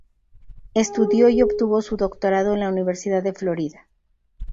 Estudió y obtuvo su doctorado en la Universidad de Florida.